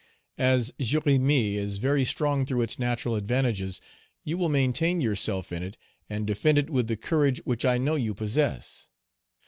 "As Jérémie is very strong through its natural advantages, you will maintain yourself in it, and defend it with the courage which I know you possess.